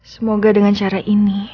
semoga dengan cara ini